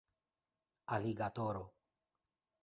aligatoro